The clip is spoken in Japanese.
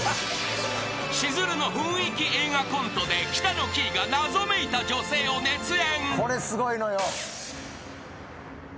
［しずるの雰囲気映画コントで北乃きいが謎めいた女性を熱演］